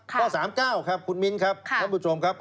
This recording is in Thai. ข้อ๓๙ครับคุณมิ้นครับท่านผู้ชมครับ